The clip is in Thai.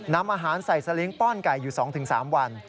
นำอาหารใส่สลิงค้อนไก่อยู่๒๓วัน